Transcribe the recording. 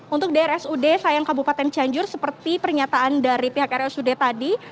untuk di rsud sayang kabupaten cianjur seperti pernyataan dari pihak rsud tadi